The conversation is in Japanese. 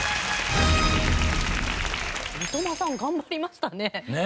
三笘さん頑張りましたね。